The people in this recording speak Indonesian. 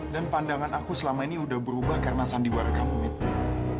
dan pandangan aku selama ini udah berubah karena sandiwara kamu mie